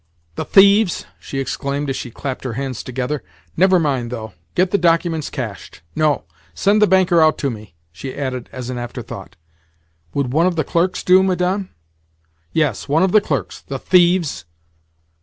"The thieves!" she exclaimed as she clapped her hands together. "Never mind, though. Get the documents cashed—No; send the banker out to me," she added as an afterthought. "Would one of the clerks do, Madame?" "Yes, one of the clerks. The thieves!"